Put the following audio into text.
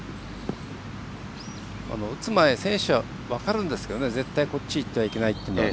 打つ前、選手は分かるんですけど絶対、こっちいってはいけないと。